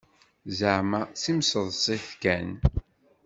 Zeεma d timseḍsit kan.